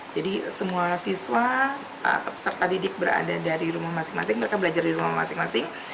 jadi semua siswa serta didik berada di rumah masing masing mereka belajar di rumah masing masing